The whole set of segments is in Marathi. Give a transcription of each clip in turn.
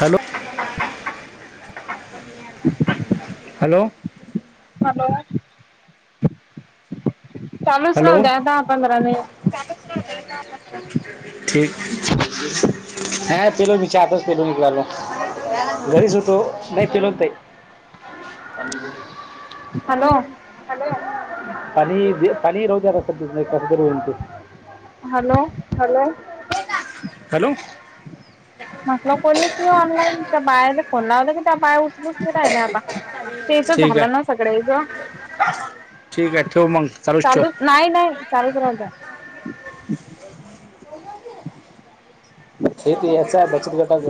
हॅलो. हहं [inaudible] हॅलो. हॅलो, चालूच राहू द्या दहा-पंधरा मिनिट. चालूच राहू द्या दहा पंधरा मिनिटे. ठीक, हा पिलो मी चहा आत्ताच पिलो इकडे आलो. घरीच होतो. नाही पीलो ताई हॅलो पनी [inaudible] काली राहते नाही कसं रू ते [inaudible] हॅलो हॅलो, हॅलो म्हटलं कोणीच नाही ऑनलाईन त्या बायाला फोन लावला त्या बाया उचलून किती राहिलं आता, ते त ठीक झालं ना आहे सकाळी ग. ठीक आहे ठेव मग, चालूच ठेव. नाही नाही चालूच राहू द्या. हे याचा बचत गटाच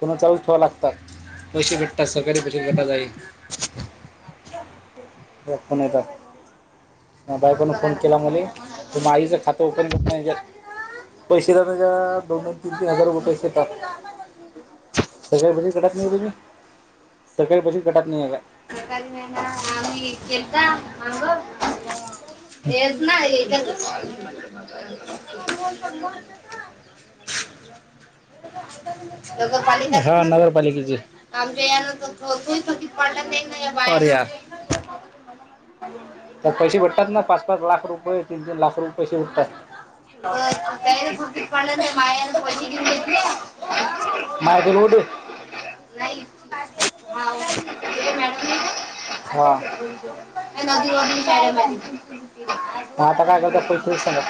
फोन चालूच ठेवावे लागतात. पैसे भेटतात सकाळी पैसे गटात जाई. ब पुणे एदा माया बायकोन फोन केला म्हले, तु आईचं खातं ओपन करत. पैसे द का दोन दोन तीन तीन हजार रुपये पैसे येतात. सगळ्याजणी गटात नाही म्हणे, सगळ्याजणी बचत गटात आल्या. काही नाही ना आम्ही केलता आंग. हेच ना याच्यात कॉल [unintelligible] नगरपालिकाचे हा नगरपालिकेचे. आमच्या यान पट नाही बायका अरे यार! आता तर पैसे भेटतात ना पाच पाच लाख रुपये तीन तीन लाख रुपये पैसे भेटतात. अ कुठी पण पायल म्हणी माझ्याकडे नाही माझ्याकडे येऊ दे नाही. हाव. हा, म्हणे नदीवरून जा. ह आता काय करता पैस सांगा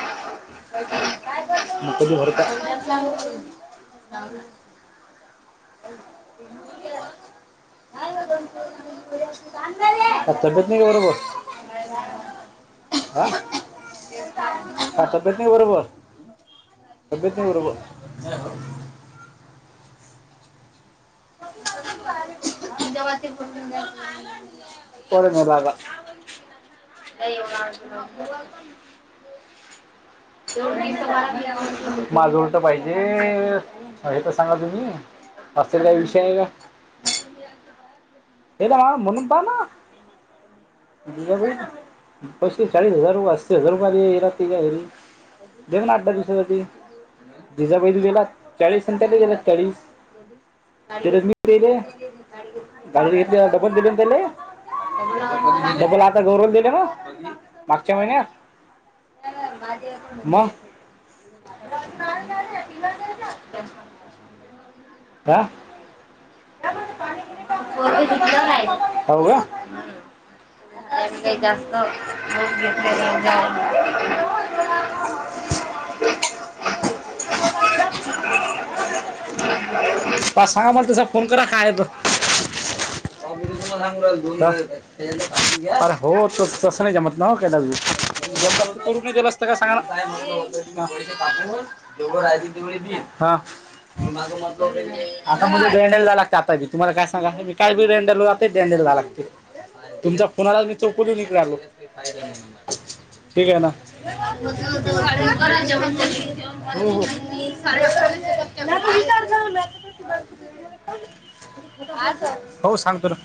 म कधी भरत. [unintelligible] काय तब्येत नाही का बरोबर? अ काय तब्येत नाही बरोबर? बर बर! जेव्हा ते फोन लावून द्या ना! पोरांनी लागला काही लावच. माजूवर तर पाहिजे हे तर सांगा तुम्ही. असलेला विषय हाय का? [inaudible] एकदा ना म्हणून पहा ना? वर मी पत्तीस, चाळीस हजार वाचतात तर सर महिन्यांनी याला लागते घरी. बघ ना आठ दहा दिवसांसाठी. जिजाबा तू गेला चाळीस आणि त्या गेला चाळीस. इथे मी पेले. [unintelligible] त्याने डबल दिले ना त्याले आता गौरव दिले ना [unintelligible] मागच्या महिन्यात मग. [unintelligible] का? पोरग झोपला नाही हो का? का जास्त लोड घेतलं नाही जास्त. [inaudible] पा सहा वाजता जा. फोन करा होतंय [unintelligible] अरे हो त तसं नाही जमत ना हो कायला‌. ते ग्रुप ने गेलो असताना जरा सांगा दोघं राहिली होती माहिती मी माग म्हटलं होत ते आता [unintelligible] [unintelligible] तुम्हाला काय सांगा मी काय डंडल होते डेंडेल व्हायला लागते. तुमच्या फोन आला मी चौकातन निगालो. ठीक आहे ना हो हो. [unintelligible] हो सांग तो ना.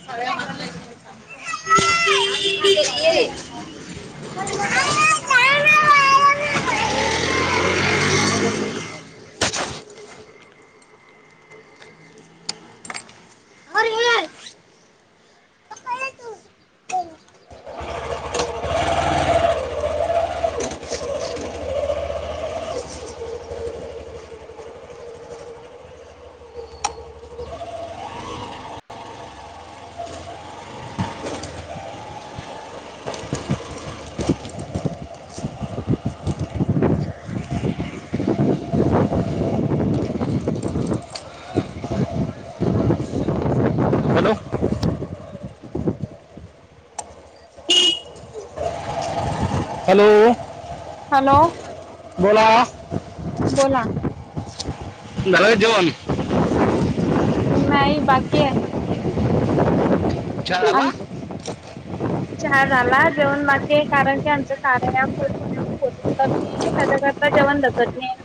[inaudible] [inaudible] [inaudible] Hello hello! हॅलो! बोला. बोला. झालं का जेवण? नाही बाकी आहे. चहा झाला आन चहा झाला जेवन बाकी आहे कारण की आमच्या कार्य ॲप मधून फोटोस कॉपी त्याच्याकरता जेवण तसत नाही.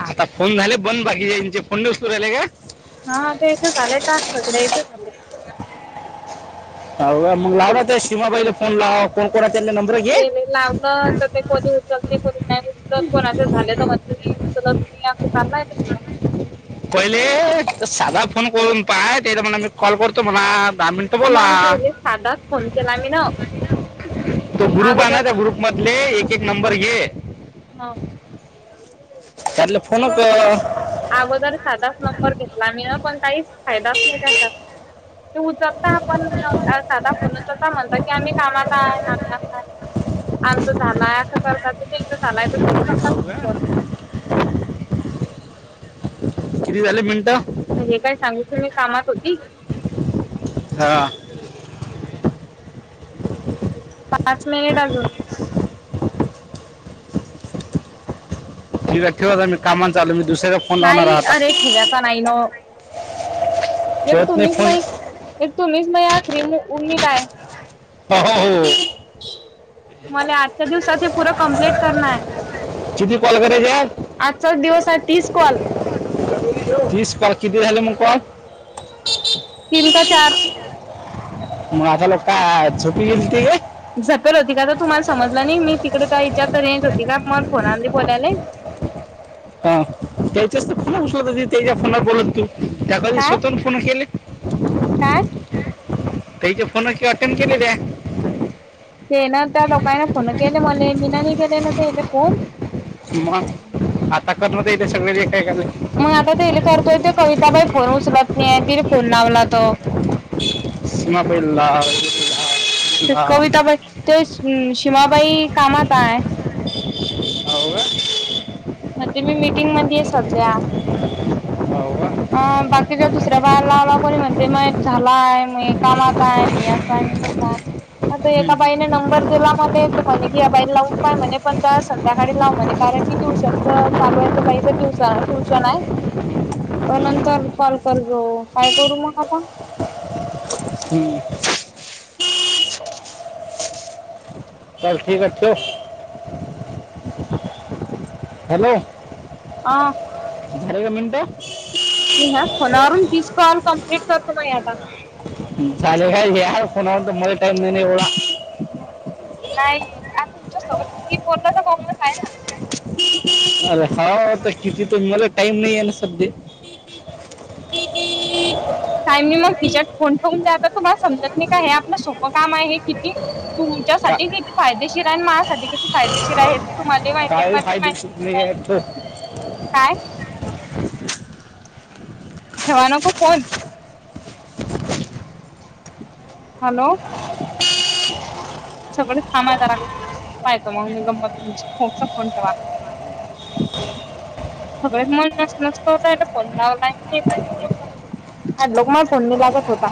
आता फोन झाले बंद बाकीच्याचे फोनउचलू राहिले का? हा ते इथं झालंय का सगळ्या इथे झाले. ह मग लावला ते सीमाबाईला फोन लावा कोणा कोणा नंबर ते घे म लावलं. ते कोणी उचल ते कोणी नाही उचल कोणाचे झाले तर म्हणत्याती अस चाललाय. पहिले साधा फोन करून पाहा ते तर म्हणा मी कॉल करतो म्हणा दहा मिनट. मग केले सादाच फोन केला मी न. तो ग्रुप आहे ना त्या ग्रुप मधले एक एक नंबर घे. हा. त्यातले फोन कर. अगोदर साधाच नंबर घेतला म्ही न पण काहीच फायदाच नाही त्याचा. तो उचलता पण साधा फोन उचलता म्हणता की आम्ही कामात आहे आम्ही असा आहे. आमच झालाय असं करतात तेंच झालाय तर ते उचलत न फोन. किती झाले मिनट? हे काय सांगित मी कामात होती. हा. पाच मिनिट अजून. ठीक आहे ठेवा आता मी कामा चालूय मी दुसऱ्या नाही अरे ठेवा्यायचा नाही नो एक ठेवत नाही तुम्हीच फोन माहि एक तुम्हीच रिंग होऊन घेत आहे. ह ह हो. मला आजच्या दिवसात ते पुरं कम्प्लीट करणार. किती कॉल करायचे आहे? आजचाच दिवस आहे तीस कॉल. तीस कॉल कितीमग झाले मग कॉल. तीन का चार. मग आता लोक काय झोपी गेलीत. झपेल होती का तर तुम्हाला समजला नाही मी तिकडे त्या विचार तर यच होती का म फोनामध्ये बोलायलय. हा त्याच्याच तर फोन उचलत, त्याच्या फोनत बोलत तू त्या काधी काय स्वतःहून फोन केली. काय? त्याच्या फोनाची आठवण केलेले हाय ते ना त्या दोघाना फोन केले मला, मीन नी केले ना ते फोन. मग आता करला होते इथे सगळे एका एका [unintelligible] मग आता तेले करतोय, ते कविताबाई फोन उचलत नाही तिरी फोन लावला तर सीमा बाईला लाव. ते कविताबाई, ते अं शीमाबाई कामात हाय. हौ का? म्हणते, मी मिटिंगमध्ये आहे सध्या. अ बाकीच्या दुसऱ्या बायाला लावला, कोणी म्हणते, मग झालाय, मी कामात हाय, मी असाय मी तसं हाय. आता एका बाईने नंबर दिला मले, म्हणे की, या बाईल लावून पहा म्हणे, पण त्या संध्याकाळी लावू म्हणे कारण की ट्यूशन च चालू आहे त्या बाईच, ट्यूशन-ट्यूशन हाय. तर नंतर कॉल करतो, काय करू मग आता? हम्म. चल ठीक हाय, ठेव. हॅलो. हा. झाले का मिनिटं? मी ह्याच फोणावरून तीस कॉल कमप्लीट करतो, बाई आता. चालेल, काय या फोनावर तो मला टाईम नाही नाही एवढा. नाही, आता तुमच्या सोबत कीती बोलल तर [unintelligible] नाही ना. अरे हा, आता किती त मला टाईम नाही आहे ना सध्या. टाईम मग खिश्यात फोन ठेवून द्या, तुम्हाला समजत नाही का, हे आपलं सोपं काम आहे किती. का तुमच्यासाठी किती फायदेशीर आहे आणि माझसाठी किती फायदेशीर आहे. तुम्हाला माहिती काय यांमध्येध माहिती फायदेशीर आहे की ठेव नाही, काय? ठेवा नको फोन? हॅलो. सगळे थांबा जरा, पाहतो मग मी गंमत तुमची फोन ठेवा. सगळेच मले मचमच करु लागले, फोन लावला नाही म्हणून. अनलो [unintelligible] नंबर फोन लागत होता.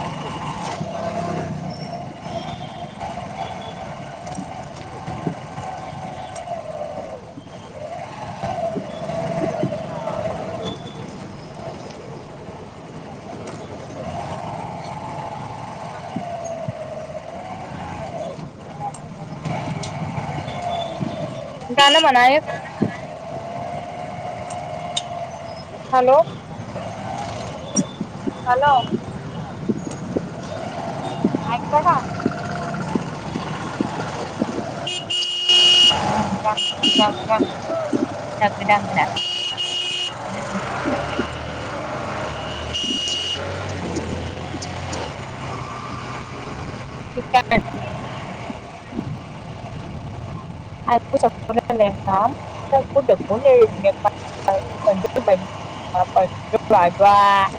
गाण म्हणा एक. हॅलो. हॅलो. ऐकता का. [unintelligible] डंग डंग [inaudible] ऐकु शकत [unintelligible] [unintelligible]